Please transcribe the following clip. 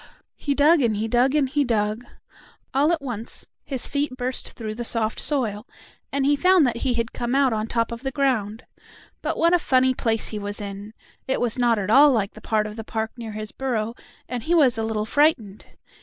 He dug and he dug and he dug. All at once his feet burst through the soft soil, and he found that he had come out on top of the ground. But what a funny place he was in! It was not at all like the part of the park near his burrow, and he was a little frightened.